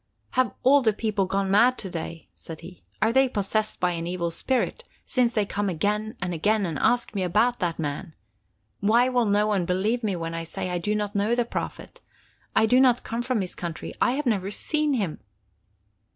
"Have all the people gone mad to day?" said he. "Are they possessed by an evil spirit, since they come again and again and ask me about that man? Why will no one believe me when I say that I do not know the Prophet? I do not come from his country. I have never seen him."